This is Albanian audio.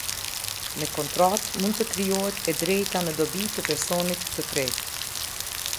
Me kontratë mund të krijohet e drejta në dobi të personit të tretë.